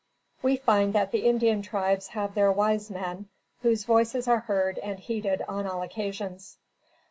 We find that the Indian tribes have their wise men, whose voices are heard and heeded on all occasions.